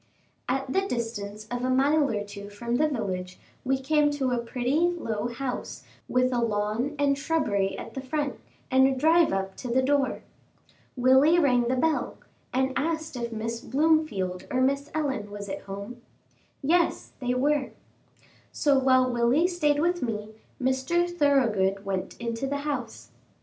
At the distance of a mile or two from the village, we came to a pretty, low house, with a lawn and shrubbery at the front, and a drive up to the door. Willie rang the bell, and asked if Miss Blomefield or Miss Ellen was at home. Yes, they were. So, while Willie stayed with me, Mr. Thoroughgood went into the house.